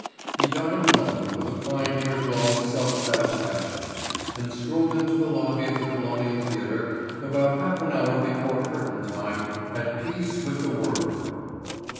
He dined alone with a fine inner glow of self satisfaction and strolled into the lobby of the Colonial Theatre about half an hour before curtain time at peace with the world.